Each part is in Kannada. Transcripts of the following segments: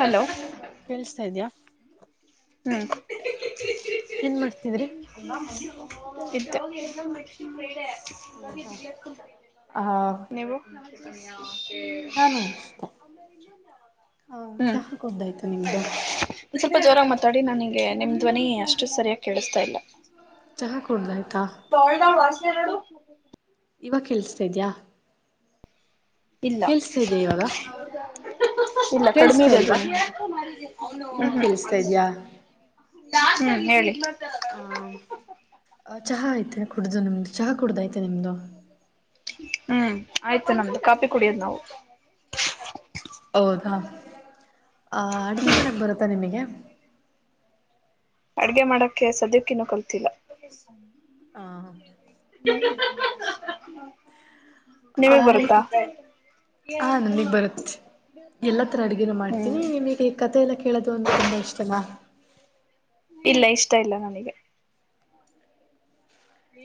ಹಲೋ ಕೇಸ್ತಾ ಇದ್ಯಾಾ ಹಾ ಏನ್ ಮಾಡ್ತಿದ್ರಿ ಹೌದಾ ಆ [unintelligible] ನೀವು ನಾನು ಅಷ್ಟೆ ಹಾ ಹ್ಮ್ ಚಹಾ ುದ್ದಾಯ್ತು ನಿಮ್ದು ಸ್ವಲ್ಪ ಜೋರ ಮಾತಾಡಿ ನಗೆ ನಿಮ್ ಧ್ವನಿಷ್ಟು ಸರಿಯಾಗಿ ಕೇಳಿಸ್ತಾ ಇಲ್ಲ ಚಹ ಕುೂಡ್ದಾಯಯ್ತಾ ತೊಳದ ವಾಸರಡು ಇವಾಗ ಕೇೇಳಸ್ತಾ ಇದ್ಯಾ ಇಲ್ಲ ಕೇೇಳಸ್ತಾ ಇದ್ಯಾ ಇವಾಗ ಇಲ್ಲ ಕಡಿಮೆ ಕೇಳಿಸ್ತಾ ಇದೆ ಇಲ್ವಾ ಅದ್ನ್ನಿ ಇವಾಗ ಹ್ಮ್ಮ ಕೇಳಿಸ್ತಾ ಇದ್ಯಾ ಹ್ಮ್ ಹೇಳಿ ಆಹ ಆ ಚಹಾ ಐ್ತೆ ಕುಡ್ದು ನಿಮ್ದು ಚಹಾ ಕುಡ್ದುಐತೆ ನಿಮ್ದು ಹ್ಮ್ ಆಯ್ತು ನಮ್ದು ಕಾಪಿ ಕುಡಿಯೋದ್ ನಾವು ಹೌದಾ ಆ ಅಡಗೆ ಮಾಡಕ್ ಬರತ್ತಾ ನಿಮಗೆ ಅಡ್ಗೆ ಮಾಡಕ್ಕೆ ಸದ್ಯಕ್ಕಿನ್ನೂ ಕಲ್ತಿಲ್ಲ ಹಾ ಆ ನೀವಗ್ ನಿಮಗೆ ಬರುತ್ತಾ ಕತ್ ಹಾ ನನ್ಗ್ ಬರುತ್ತೆ ಎಲ್ಲ ತರ ಅಡ್ಗೆನ ಮಾಡ್ತೀನಿ ಹ್ಮ್ ನಿಮಗೆ ಕತೆ ಎಲ್ಲ ಕೇಳೋದು ಅಂದ್ರೆ ತುಂಬಾ ಇಷ್ಟನ ಇಲ್ಲ ಇಷ್ಟ ಇಲ್ಲ ನನಗೆ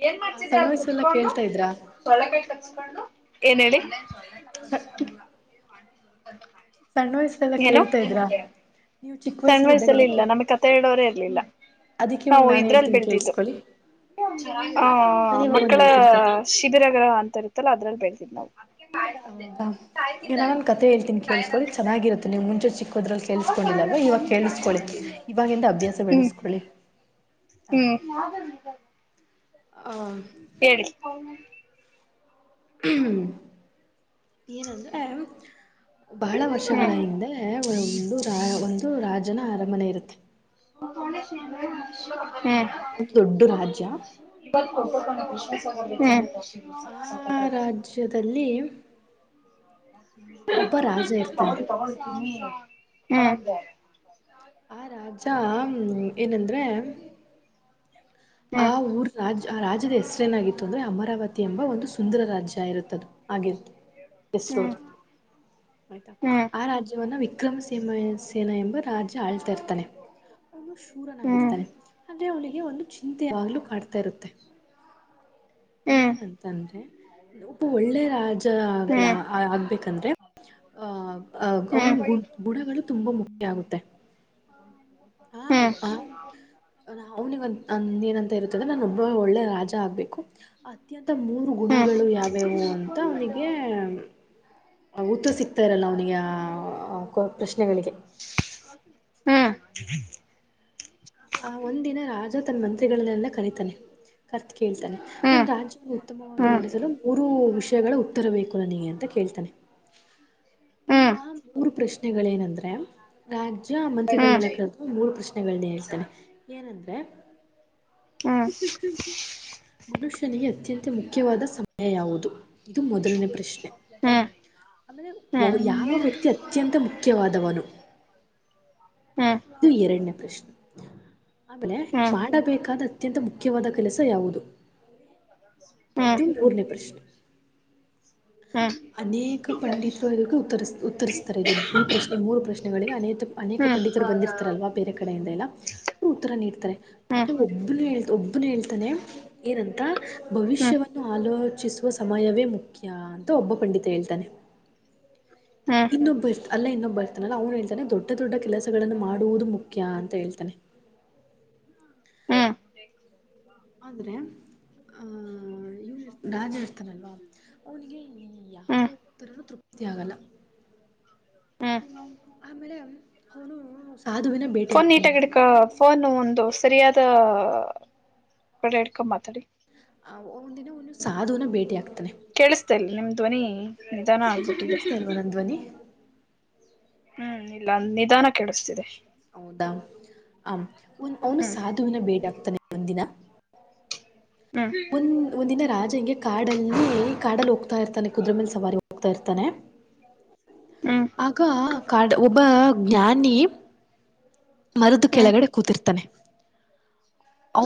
ಏನ್ ಮಾಡ್ತಿದ್ದೆ ಸಣ್ಣ ಅಲ್ಲಿ ವಯಸ್ಸೆಲ್ಲ ಕುೂತ್ಕೊಂಡು ಕೇಳ್ತಾ ಇದ್ರಾ ಸೊಳ್ಳಕಾಯಿ ಕಚ್ಕೊಂಡು ಏನ್ ಹೇಳಿ ಸ [inaudible] ಸಣ್ಣ ವಯಸ್ಸಲ್ಲ ಕೇಳ್ತಾ ಇದ್ರ ಸ್ಯಾಂಡ್ ವಯಸ್ ಅಲ್ಲಿ ಇಲ್ಲ ನಮ್ ಕತೆೆ ಇಡೋರೇ ಇರ್ಲಿಲ್ಲ ಅದಕ್ಕೆ ಇವಾಗ ನಾವು ನಾನು ಇದ್ರಲ್ಲಿ ಹೇಳ್ತೀನಿ ಬೆಳ್ತಿದ್ದು ಕೇಳಿಸ್ಕೊಳ್ಳಿ ಹ ನಾನು ಇವಾಗ ಒಂದು ಮಕ್ಕಳ ಹೇಳ್ತೀನಿ ಕತೆ ಶಿಬಿರ ಗ್ರಹ ಅಂತ ಇರುತ್ತಲ್ಲ ಅದ್ರಲ್ಲಿ ಬೆಳತಿದ್ ನಾವು ಹೌದಾ ದ ನ ಅ ಮುಚೆ ಚಿ ದ್ರ ಕೇಳಿಸಕೊಂಡಿಲ್ಲಲ್ವಾ ಇವಾಗ ಕೇಳಿಸ್ಕೊಳ್ಳಿ ಇವಾಗಂದ ಅಭ್ಯಾಸ ಹ್ಮ್ ಬೆಳ್ಸ್ಕೊಳ್ಳಿ ಹ್ಮ್ ಹ ಹೇಳಿ ಹ್ಮ್ ಏನಂದ್ರೆ ಬಹಳ ವರ್ಷಗಳ ಹ್ಮ್ ಹಿಂದೆ ಒ ಒ ರ ಒಂದು ರಾಜನ ಅರಮನೆ ಇರುತ್ತೆ ಹ ಕೊಂಡ ಸಿ ಹ ಒಂದು ದೊಡ್ಡ ರಾಜ್ಯ ಇ ಆ ರಾಜ್ಯದಲ್ಲಿ ಹ ಒಬ್ಬ ರಾಜ ಇರ್ತಾರೆ ಹ್ಮ್ ಆ ರಾಜ ಏನಂದ್ರೆ ಆ ಊರ್ ರಾಜ ಆ ರಾಜ್ಯದ ಹೆಸರೇನಾಗಿತ್ತು ಅಂದ್ರೆ ಅಮರಾವತಿ ಎಂಬ ಒಂದು ಸುಂದರ ರಾಜ್ಯ ಇರುತ್ತದು ಆಗಿ ಇಸರೋ ಆಯ್ತಾ ಆ ರಾಜ್ಯವನ್ನ ವಿಕ್ರಮಸೀ ಸೇನಾ ಎಂಬ ರಾಜ್ಯ ಆಳ್ತಾ ಇರ್ತಾನೆ ಒಂದು ಶೂರನಾಗಿರ್ತಾನೆ ಅಂದ್ರೆ ಅವನಿಗೆ ಒಂದು ಚಿಂತೆ ಯಾವಾಗ್ಲೂ ಕಾಡ್ತಾ ಇರುತ್ತೆ ಹ್ಮ ಏನಂತಂದ್ರೆ ಒಬ್ಬ ಒಳ್ಳೆ ರಾಜ ಆಗ ಆಗ್ಬೇಕಂದ್ರೆ ಹ ಅಹ್ ಅವನ್ ಗು ಗುಣಗಳು ತುಂಬಾ ಮುಖ್ಯ ಹಾ ಆಗುತ್ತೆ ಹ್ಮ ಅವ್ನಿಿಗೆ ಅಂದ ಏನಂತ ಇರ್ತದೆ ನಾನು ಒಬ್ಬ ಒಳ್ಳೆ ರಾಜ ಆಗ್ಬೇಕು ಅತ್ಯಂತ ಮೂರು ಗುಣಗಳು ಯಾವ್ಯಾವು ಅಂತ ಅವನಿಗೆ ಉತ್ತ ಸಿಗ್ತಾ ಇರಲ್ಲ ಅವನಿಗೆ ಆ ಪ್ರಶ್ನೆಗಳಿಗೆ ಟಕ್ ಹು ಪ್ಚ್ಲ್ ಆ ಆ ಒಂದ್ ದಿನ ರಾಜ ತನ್ನ ಮಂತ್ರಿಗಳನ್ನೆಲ್ಲ ಕರಿತಾನೆ ಕರದ್ ಕೇಳ್ತಾನೆ. ನಾನು ರಾಜ್ಯ ಉತ್ತಮವಾಗಿ ನೆಲೆಸಲು ಮೂರು ವಿಷಯಗಳ ಉತ್ತರ ಬೇಕು ನನಗೆ ಅಂತ ಕೇಳ್ತಾನೆ. ಆಆಆ ಹ ಮೂರು ಪ್ರಶ್ನೆಗಳೇಏನಂದ್ರೆ ರಾಜ್ಯ ಮಂತ್ರಿಗಳನೆಲ್ಲ ಕರದ್. ಮೂರು ಪ್ರಶ್ನೆಗಳನ್ನ ಹೇಳ್ತಾನೆ ಏನಂದ್ರೆ. ಹು ಹ್ಹಿ. ಮನುಷ್ಯನಿಗೆ ಅತ್ಯಂತ ಮುಖ್ಯವಾದ ಸಮಯ ಯಾವುದು. ಇದು ಮೊದಲನೇ ಪ್ರಶ್ನೆ ಹ್ಮ್ ಅಂದ್ರೆ ಹ್ಮ್ ಯಾವ ವ್ಯಕ್ತಿ ಅದು. ಹ್ಮ್ ಅತ್ಯಂತ ಮುಖ್ಯವಾದವನು. ಹು ಇದು ಎರಡನೇ ಪ್ರಶ್ನೆ ಆಮೇಲೆ ಹ್ಮ್ ಮಾಡಬೇಕಾದ ಅತ್ಯಂತ ಮುಖ್ಯವಾದ ಕೆಲಸ ಯಾವುದು ಹ್ಮ್ ಹ್ಮ್ ಹ್ಮ್ ಇದು ಮೂರನೇ ಪ್ರಶ್ನೆ ಹ್ಹ ಹ್ಮ್ ಹ್ಮ್ ಅನೇಕ ಪಂಡಿತರು ಇದಕ್ಕೆ ಉತ್ತರಿಸ ಉತ್ತರಿಸ್ತಾರೆ. ಇದನ್ನ ಈ ಪ್ರಶ್ನೆ ಮೂರು ಪ್ರಶ್ನೆಗಳಿಗೆ ಅನೆಕ ಅನೇಕ ಪಂಡಿತ್ ಬಂದಿರ್ತಾರಲ್ವಾ. ಬೇರೆ ಕಡೆಯಿಂದ ಎಲ್ಲಾ ಅವ್ರು ಉತ್ತರ ನೀಡ್ತಾರೆ ಆದ್ರೆ ಒಬ್ಬನೆ ಹೇಳ್ತ ಒಬ್ಬನೆ ಹೇಳ್ತಾನೆ. ಏನಂತ ಭವಿಷ್ಯವನ್ನು ಆಲೋಚಿಸುವ ಸಮಯವೇ ಮುಖ್ಯ. ಖ್ಖ್ಯಾ ಅಂತ ಒಬ್ಬ ಪಂಡಿತ ಹೇಳ್ತಾನೆ. ಹ್ಮ್ ಹ್ಮ್ ಇನ್ನೊಬ್ಬ ಇರ್ತ ಅಲ್ಲೆ ಇನ್ನೊಬ್ಬ ಇರ್ತಾನಲ್ಲ ಅವ್ನು ಹೇಳ್ತಾನೆ ದೊಡ್ಡ ದೊಡ್ಡ ಕೆಲಸಗಳನ್ನ ಮಾಡುವುದು ಮುಖ್ಯ ಅಂತ ಹೇಳ್ತಾನೆ. ಹು ಹೌದ್ರಾ. ಅ ಇವನ್ ರಾಜ ಇರ್ತಾನಲ್ವಾ ಅವನಿಗೆ ಯಾವ ಹ್ಮ್ ಉತ್ತರಾನು ತೃಪ್ತಿ. ಯ್ಯಾಗಲ್ಲಾ. ಆಮೇಲೆ ಅವನು ಸಾಧುವಿನ ಭೇಟಿ ಆಗ್ತಾನೆ. ಫೋನು ಒಂದು ಸರಿಯಾದ ಕಡೆ ಇಡ ಕ್ಕೊಂಡು ಮಾತಾಡಿ. ಅವು ಒಂದು ದಿನ ಒನ್ ಸಾಧುವನ ಭೇಟಿ ಆಗ್ತಾನೆ. ಕೇಳ್ಸ್ತಾಇಲ್ಲ ನಿಮ್ಮ ಧ್ವನಿ ನಿಧಾನ ಆಗ್ಬಿಟ್ಟಿದೆ ಕೇಳಿಸ್ತಾ ಇಲ್ವಾ ನನ್ ಧ್ವನಿ ಹು ಇಲ್ಲ ನಿಧಾನಕ್ಕ್ ಕೆಳಸ್ತಿದೆ. ಹೌದಾ ಆ ಒನ್ ಬೋನಸ್ ಹ್ಮ್ ಹಾಲ್ ತಂದ್ರೆ ಬಿಲ್ಡಫ್ ತಗೋಂತಿರಾ ಹ್ಮ್ ಒಂದ್ ಒಂದಿನ ರಾಜಂಗೆ ಕಾಡಲ್ಲಿ ಕಾಡಲ್ ಹೋಗ್ತಾ ಇರ್ತಾನೆ ಕುದುರೆ ಮೇಲೆ ಸವಾರಿ ಹೋಗ್ತಾ ಇರ್ತಾನೆ. ಹ್ಮ್ ಆಗಾ ಕಾಡ ಒಬ್ಬ ಜ್ಞಾನಿ. ಮರದ ಹ್ಮ್ ಕೆಳಗಡೆ ಕೂತಿರ್ತಾನೆ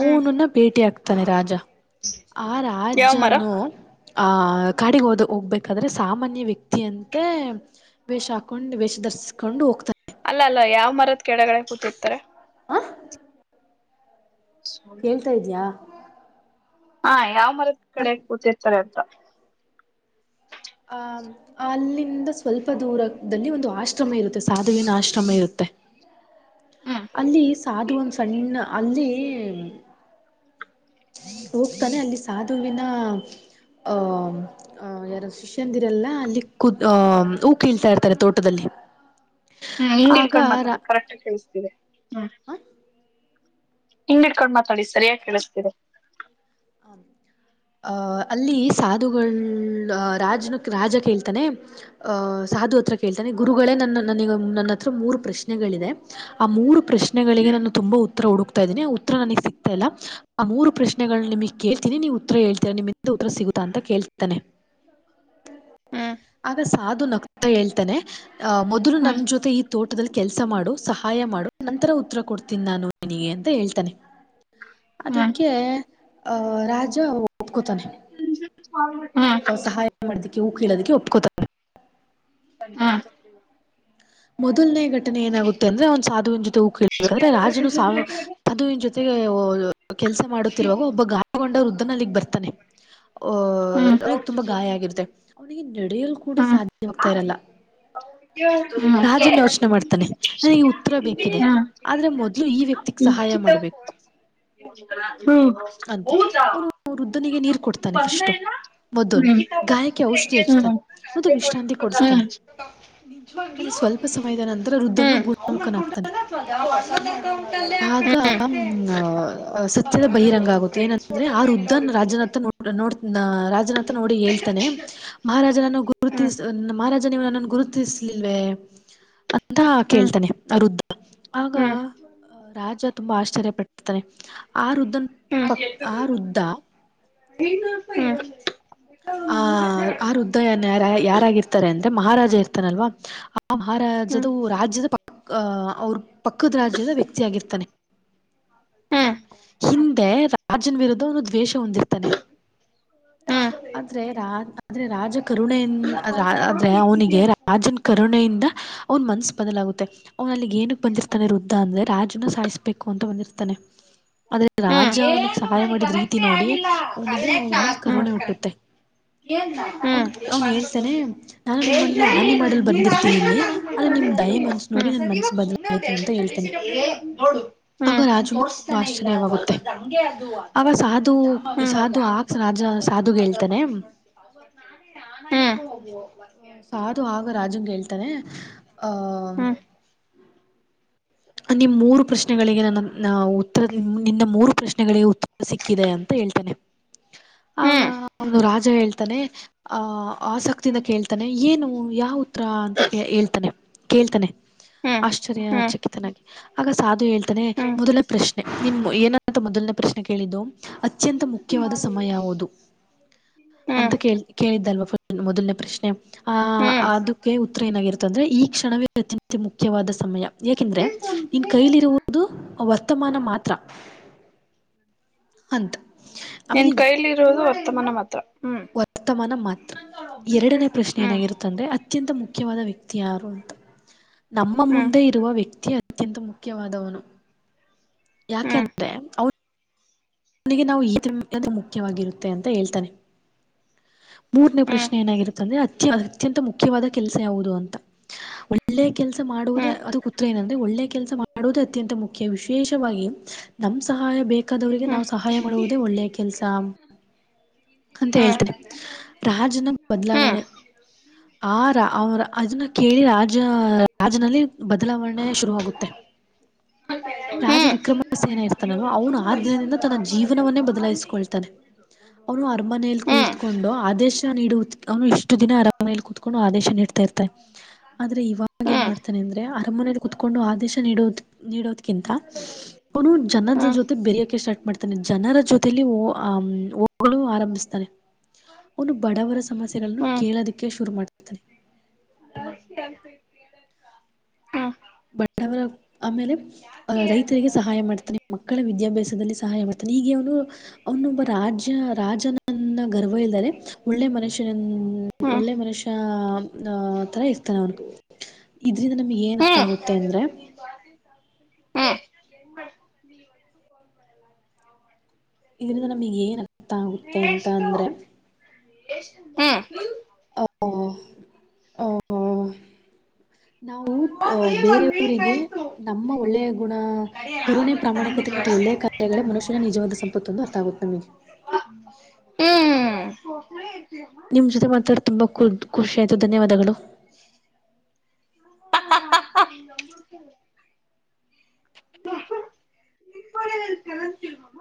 ಹ್ಮ್ ಭೇಟಿ ಹಾಕ್ತಾನೆ ರಾಜಾ. ಆ ಯಾವ ಮರ ರಾಜ್ಯನು. ಆಆ ಕಾಡಿಗೆ ಹೋದ ಹೋಗ್ಬೇಕಾದ್ರೆ ಸಾಮಾನ್ಯ ವ್ಯಕ್ತಿಯಂತೆ. ವೇಷಾ ಹಾಕೊಂಡು ವೇಷ ಧರಿಸ್ಕೊಂಡು ಹೋಗ್ತಾ. ಅಲ್ಲ ಅಲ್ಲ ಯಾವ್ ಮರದ ಕೆಳಗಡೆ ಕೂತಿರ್ತಾರೆ. ಆ ಕೇಳ್ತಾ ಇದಿಯಾ. ಹಾ ಯಾವ್ ಮರದ ಕಡೆ ಕೂತಿರ್ತಾರೆ ಅಂತಾ. ಆ ಅಲ್ಲಿಂದ ಸ್ವಲ್ಪ ದೂರದಲ್ಲಿ ಒಂದು ಆಶ್ರಮ ಇರುತ್ತೆ ಸಾಧುವಿನ ಆಶ್ರಮ ಇರುತ್ತೆ. ಹ್ಮ್ ಅಲ್ಲಿ ಸಾಧು ಒಂದ್ ಸಣ್ಣ ಅಲ್ಲಿ ಹೋಗ್ತಾನೆ ಅಲ್ಲಿ ಸಾಧುವಿನ ಅ. ಅಹ ಯಾರು ಸುಷ್ಯಂದಿರಲ್ಲ ಅಲ್ಲಿ ಕುದ ಅ್ ಉಊಕ್ಕ ಇಳ್ತಾ ಇರ್ತಾರೆ ತೋಟದಲ್ಲಿ ಹ್ಮ್ ಹಂಗ್ ಆಗ ಇಡ್ಕೊಂಡ್ ಮಾತಾಡ್ ರಾ ಕರೆಕ್ಟ್ಗ ಕೇಳಿಸತಿದೆ ಹ್ಮ್ ಅಹ ಹಿಂಗ ಇಡ್ಕೊಂಡು ಮಾತಾಡಿ ಸರಿಯಾಗಿ ಕೇಳಿಸ್ತಿದೆ ಆಂ ಅ ಅಲ್ಲಿ ಸಾಧುಗಳ ರಾಜನ ರಾಜ ಕೇಳ್ತಾನೆ ಅಹ ಸಾಧು ಹತ್ರ ಕೇಳ್ತಾನೆ ಗುರುಗಳೇ ನನ್ನ ನನ ನನ್ನ ಹತ್ರ ಮೂರು ಪ್ರಶ್ನೆಗಳಿದೆ ಆ ಮೂರು ಪ್ರಶ್ನೆ ಪ್ರಶ್ನೆಗಳಿಗೆ ಹ್ಮ್ ನಾನು ತುಂಬಾ ಉತ್ತರ ಹುಡುಕ್ತಾ ಇದ್ದೀನಿ ಉತ್ತರ ನನಗೆ ಸಿಗ್ತಾ ಇಲ್ಲ ಆ ಮೂರು ಪ್ರಶ್ನೆಗಳು ನಿಮಗೆ ಕೇಳ್ತೀನಿ ನೀವ್ ಉತ್ತರ ಹೇಳ್ತೀರ ನಿಮ್ಮಿಂದ ಉತ್ತರ ಸಿಗುತ್ತಾ ಅಂತ ಕೇಳ್ತಾನೆ ಹ್ಮ್ ಆಗ ಸಾಧು ನಕ್ತಾ ಹೇಳ್ತಾನೆ ಅಹ ಮೊದಲು ನನ್ನ ಹ್ಮ್ ಜೊತೆ ಈ ತೋಟದಲ್ಲಿ ಕೆಲಸ ಮಾಡು ಸಹಾಯ ಮಾಡು ನಂತರ ಉತ್ತರ ಕೊಡ್ತೀನಿ ನಾನು ನಿನಗೆ ಅಂತ ಹೇಳ್ತಾನನೆ ಹ್ಮ್ ಅದಕ್ಕೆ ಅಹ ರಾಜ ಒಪ್ಕೊತಾನೆ ಹ್ಮ್ ಹ್ಮ್ ಹ್ಮ್ ಸಹಾಯ ಮಾಡದಕ್ಕೆ ಹೂ ಕೇಳೋದಕ್ಕೆ ಒಪ್ಕತಾ [inaudible] ಮೊದಲನೇ ಘಟನೆ ಏನಾಗುತ್ತೆಂದ್ರೆ ಅವ್ನ್ ಸಾಧುವಿನ ಜೊತೊ ಕಳಬೇಕ್ರೆ ರಾಜನು ಸಾ ಅದು ಇನ್ ಜೊತೆ ಕೆಲ್ಸ ಮಾಡುತ್ತಿರುವಾಗ ಒಬ್ಬ ಗಾಯಗೊಂಡ ವೃದ್ಧನ ಅಲ್ಲಿಗ್ ಬರ್ತಾನೆ ಅಹ ಅವನಿಗೆ ತುಂಬಾ ಗಾಯ ಆಗಿರುತ್ತೆ ಅವನಿಗೆ ನಡೆಯಲು ಕೂಡ ಸಾಧ್ಯವಾಗ್ತಾ ಇರಲ್ಲ ಹೌ ರಾಜನ್ ಯೋಚನೆ ಮಾಡ್ತಾನೆ ನನಗ ಉತ್ತರ ಬೇಕಿದೆ ಆದ್ರ ಮೊದ್ಲು ಈ ವ್ಯಕ್ತಿಗ್ ಸಹಾಯ ಮಾಡಬೇಕು ಹ್ಮ ಅಂತ ಅವನು ವೃದ್ಧನಿಗೆ ನೀರ್ ಕೊಡ್ತಾನೆ ಫಸ್ ಮೊದಲು ಗಾಯಕ್ಕೆ ಔಷಧಿ ಅಚ್ಚ ತ ಮ ವಿಶ್ರಾಂತಿ ಕೊಡಿಸ್ತಾನೆ ಆೇಲೆ ಸ್ವಲ್ಪ ಸಮಯದ ನಂತರ ರುದ್ಧನು ಗುಣಮುಖನಾಗ್ತಾನೆ ಆಗ ಹ ಸತ್ಯದ ಬ ರಂಗ ಆಗುತ್ತೆ ಏನಂದ್ರೆ ಆರು ಉದ್ದಾನ ರಾಜ್ಯನ ನೋಡ್ ರಾಜನಾಥ ನೋಡಿ ಹೇಳ್ತಾನೆ ಮಹಾರಾಜ ನನ್ನ ಗುರುತ ಮಹಾರಾಜ ನೀವು ನನ್ನನ್ನು ಗುರುತಿಸ್ಲಿಲ್ವ ಅದಾ ಕೇಳ್ತಾನೆ ಅರುದ್ಧ ಆಗ ರಾಜ ತುಂಬಾ ಆಶ್ಚರ್ಯ ಪಡ್ತಾನೆ ಆ ವೃದ್ಧನ್ ಪ ಆ ವೃದ್ಧ ಹ ನ ಪ ಆ ಆ ಹೃದಯನ ಯಾರ ಯಾರಾಗಿರ್ತಾರೆ ಅಂದ್ರೆ ಮಹಾರಾಜ ಇರ್ತಾನಲ್ವಾ ಆ ಮಹಾರಾಜದ ರಾಜ್ಯದ ಪ ಅವ್ರ ಪಕ್ಕದ ರಾಜ್ಯದ ವ್ಯಕ್ತ ಆಗಿರ್ತಾನೆ ಹ್ಮ್ ಹಿಂದೆ ರಾಜನ್ ವಿರುದ್ಧ ಅವನು ದ್ವೇಷ ಹೊಂದಿರ್ತಾನೆ ಆದ್ರೆ ರ ಆದ್ರೆ ರಾಜ ಕರುಣೆಯನ್ ಆದ್ರೆ ಅವನಿಗೆ ರಾಜನ್ ಕರುಣೆಯಿಂದ ಅವನ್ ಮನಸ ಬದಲಾಗುತ್ತೆ ಅವನಲ್ಲಿ ಏನಕ್ಕೆ ಬಂದಿರ್ತಾನೆ ವೃದ್ಧ ಅಂದರೆ ರಾಜನ ಸಾಯಿಸ್ಬೇಕು ಅಂತ ಬಂದಿರ್ತಾನೆ ಆದದ್ರ ರಾಜ ಅವನಿಗೆ ಸಹಾಯ ಮಾಡಿದ್ ರೀತಿ ನೋಡಿ ಅವ್ನಿಗೆ ಅವನ ಮೇಲ್ ಕರುಣೆ ಹುಟ್ಟುತ್ತೆ ಅವನ್ ಅವನ್ ಹೇಳ್ತಾನೆ ನಾನು ನಿಮ್ಮನ್ನು ಹಾನಿ ಮಾಡಲ್ ಬಂದಿರ್ತೀನಿ ಇಲ್ಲಿ ಅದ ನಿಮ್ ದಯ ಮನ್ಸ ನೋಡಿ ನನ್ ಮನ್ಸ್ಸ ಬದಲ ಆಯ್ತು ಅಂತ ಹೇಳ್ತಾನೆ ಆಗ ರಾಜು ತು ಭಾಷೆ ವಾಗುತ್ತೆ ಆಗ ಸಾಧು ಸಾಧು ಆಾಕ್ ರಾಜ ಸಾಧುಗೆ ಹೇಳ್ತಾನೆ ಸಾದುು ಆಗ ರಾಜುಂಗಗೆ ಹೇಳ್ತಾರೆ ಹ ನಿಮ ಮೂರು ಪ್ರಶ್ನೆಗಳಿಗೆ ನನ್ನ ಉತ್ತರ ನಿನ್ನ ಮೂರು ಪ್ರಶ್ನೆಗಳಿಗೆ ಉತ್ತರ ಸಿಕ್ಕಿದೆ ಅಂತ ಹೇಳ್ತೇನೆ ಆಗ ಹ್ಮ್ ಒಂದು ರಾಜ ಹೇಳ್ತಾನೆ ಆಹ ಆಸಕ್ತಿಯಿಂದ ಹ್ಮ್ ಕೇಳ್ತಾನೆ ಏನು ಯಾವ ಅಂತ ಹೇಳ್ತಾನೆ ಕೇಳ್ತಾನೆ ಹ್ಮ್ ಆಶ್ಚರ್ಯ ಹ್ಮ್ ಚಕಿತನಾಗಿ ಆಗ ಸಾಧು ಹೇಳ್ತ ಹ್ಮ್ ಮೊದಲ ಪ್ರಶ್ನೆ ನಿಮಮ್ಮ ಏನಂತ ಮೊದಲನೇ ಪ್ರಶ್ನೆ ಕೇಳಿದ್ದು ಅತ್ಯಂತ ಮುಖ್ಯವಾದ ಸಮಯ ಯಾವುದು ಅಂತ ಹ್ಮ್ ಕೇಳ ಕೇಳಿದ್ದಲ್ವಾ ಮೊದಲನೇ ಪ್ರಶ್ನೆ ಆ ಹ್ಮ್ ಅದು [unintelligible] ಉತ್ತರ ಏನಾಗಿರುತ್ತ ಅಂದ್ರೆ ಈ ಕ್ಷವೇ ಅತ್ಯಂತ ಮುಖ್ಯವಾದ ಸಮಯ ಯಾಕೆಂದ್ರೆ ನಿನ್ ಕೈಲಿರುವುದು ವರ್ತಮಾನ ಮಾತ್ರ ಅಂತ ನಿನ್ ಆಮೇಲೆ ಕೈಲಿ ಇರುವುದು ವರ್ತಮಾನ ಮಾತ್ರ ಹ್ಮ್ ವರ್ತಮಾನ ಮಾತ್ರ ಎರಡನೇ ಪ್ರಶ್ನೆ ಹ್ಮ್ ಏನಾಗಿರುತ್ತ ಅಂದ್ರೆ ಅತ್ಯಂತ ಮುಖ್ಯವಾದ ವ್ಯಕ್ತಿ ಯಾರು ಅಂತ ನಮ್ಮ ಹ್ಮ್ ಮುಂದೆ ಇರುವ ವ್ಯಕ್ತಿಯ ಅತ್ಯಂತ ಮುಖ್ಯವಾದವನು ಹ್ಮ್ ಯಾಕೆಂದ್ರೆ ನನಗೆ ನಾವು ಈ ತಿ ಮುಖ್ಯವಾಗಿರುತ್ತೆ ಅಂತ ಹೇಳ್ತಾನೆ ಮೂರನೇ ಹ್ಮ್ ಹ್ಮ್ ಪ್ರಶ್ನೆ ಏನಾಗಿರುತ್ತೆ ಅಂದ್ರೆ ಅ ಅತ್ಯಂತ ಮುಖ್ಯವಾದ ಕೆಲಸ ಯಾವುದು ಅಂತ ಒಳ್ಳೆ ಕೆಲಸ ಹ್ಮ್ ಮಾಡುವುದೇ ಹ್ಮ್ ಅದು ಉತ್ರರ ಏನಂದ್ರೆ ಒಳ್ಳೆ ಕೆಲಸ ಮಾಡ ಮಾಡುವುದು ಅತ್ಯಂತ ಮುಖ್ಯ ವಿಶೇಷವಾಗಿ ನಮ ಸಹಾಯ ಬೇಕ ಚಕ್ಕಾದವರಿಗೆ ಹ್ಮ್ ನಾವು ಸಹಾಯ ಮಾಡುವುದೇ ಒಳ್ಳೆಯ ಕೆಲ್ಸ ಅಂತ ಹ್ಮ್ ಹೇಳ್ತೇನೆ ರಾಜನ ಹ್ಮ್ ಬದಲಾವಣೆ ಹ್ಮ್ ಆ ರ ಅವ್ರ ಅದನ್ನ ಕೇಳಿ ರಾಜ ರಾಜನಲ್ಲಿ ಬದಲಾವಣೆ ಶುರುವರುವಾಗುತ್ತೆ ರಾಜ ಹ್ಮ್ ವಿಕ್ರಮ ಸೇನ ಇರ್ತಾನಲ್ವ ಅವನ ಆ ದಿನದಿಂದ ತನ್ನ ಜೀವನವನ್ನೇ ಬದಲಾಯಿಸಕೊಳ್ತಾನೆ ಅವನು ಅರ್ಮನೆಯಲ್ಲಿ ಹ್ಮ್ ಕುಳ್ತ ಹ್ಮ್ ಹ್ಮ್ ಕೊಂಡು ಆದೇಶ ನೀಡುವ ಇಷ್ಟು ದಿನ ಅರಮನೆಯಲ್ಲಿ ಕ ಕುೂತ್ಕೊಂಡು ಆದೇಶ ಇಡ್ತಾ ಇರ್ತಾರೆ ಆದ್ರೆ ಇವಾಗ ಏನ್ ಮಾಡ್ತಾನೆ ಅಂದ್ರೆ ಅರಮನೆಯಲ್ಲಿ ಕುತ್ಕೊಂಡು ಆದೇಶ ನೀಡೋದು ನೀಡೋದ್ಕಿಂತ ಅವನು ಹ್ಮ್ ಜನರ ಜೊತೆ ಹ್ಮ್ ಬೆರೆಯೋಕ ಸ್ಟಾರ್ಟ್ ಮಾಡ್ತಾನೆ ಜನರ ಜೊತೆ ಹಗಳು ಆರಂಭಿಸ್ತಾರೆ ಒನು ಬಡವರ ಸಮಸ್ಯೆಗಳನ್ನು ಕೇಳೋದಕ್ಕೆ ಶುರು ಮಾಡ್ತ ಹಾ ಬವರ ಆಮೇಲೆ ರೈತರಿಗೆ ಸಹಾಯ ಮಾಡ್ತನಿ ಮಕ್ಕಳ ವಿದ್ಯಾಭ್ಯಾಸದಲ್ಲಿ ಸಹಾಯ ಮಾಡ್ತಾನೆ ಹೀಗೆ ಅವನು ಅವನೊಬ್ಬ ರಾಜ್ಯ ರಾಜನ ನನ್ನ ಗರ್ವ ಇಲ್ಲದದೆ ಒಳ್ಳೆ ಮನುಷ್ಯನ ಒಳ್ಳೆ ಮನುಷ್ಯ ಆ ತರ ಇರ್ತಾನ ಅವನು ಇದ್ರಂದ ನಮಗೆ ಏ ಹಾ ಹ ಇದರಿಂದ ನಮಗ್ ಏನ್ ಅರ್ಥ ಆಗುತ್ತೆ ಅಂತ ಅಂದ್ರೆ ಹಾ [inaudible] ನಾವು ಅ ಬೇರೆಯವರಿಗೆ ನಮ್ಮ ಒಳ್ಳೆಯ ಗುಣ ಕರುಣೆ ಪ್ರಾಮಾಣಿಕತೆ ಮತ್ತು ಒಳ್ಳೆಯ ಕಾರ್ಯಗಳೇ ಮನುಷ್ಯನ ನಿಜವಾದ ಸಂಪತ್ತತ್ತುೊಂದು ಅರ್ಥ ಆಗುತ್ತೆಮಗೆ ಹ್ಮ್ ನಿಮ್ಮ ಜೊತೆ ಮಾತ್ರಾರೆ ತುಂಬ ಖುಷಿ ಆಯಿತು ಧನ್ಯವಾದಗಳು ಹ ತ